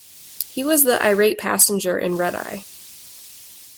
He was the Irate passenger in "Red Eye".